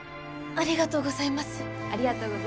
ありがとうございます。